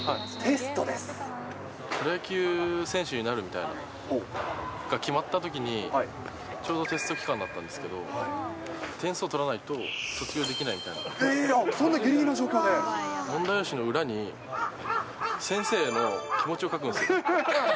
プロ野球選手になるみたいな、が決まったときに、ちょうどテスト期間だったんですけど、点数を取らないと、えー、そんなぎりぎりの状況問題用紙の裏に、先生への気持ちを書くんですよ。